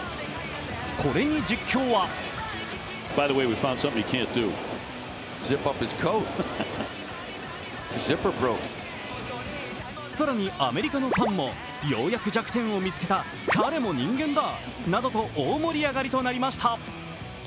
これに実況は更にアメリカのファンもようやく弱点を見つけた、彼も人間だなどと大盛り上がりとなりました。